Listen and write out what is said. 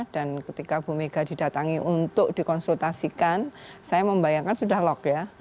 dan ketika bumega didatangi untuk dikonsultasikan saya membayangkan sudah locked ya